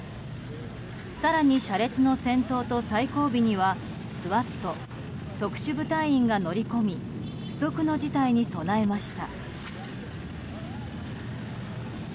更に、車列の先頭と最後尾にはＳＷＡＴ・特殊部隊員が乗り込み不測の事態に備えました。